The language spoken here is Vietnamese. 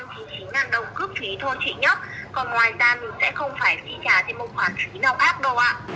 chứ sẽ không phải trị giá trên một khoản phí nào khác đâu ạ